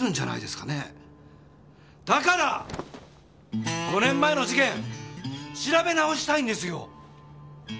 だから５年前の事件調べ直したいんですよ！